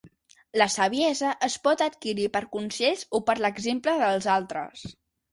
La saviesa es pot adquirir per consells o per l'exemple dels altres.